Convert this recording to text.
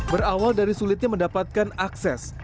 berawal dari sulitnya mendapatkan akses